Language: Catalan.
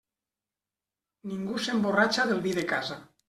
Ningú s'emborratxa del vi de casa.